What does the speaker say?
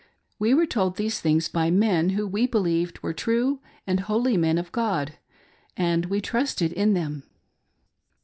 We were told these things by men Who we believed were true and holy men of God; and we trusted in them.